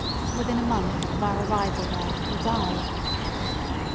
Within a month of our arrival there he died.